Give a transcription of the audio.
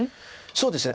そうですね。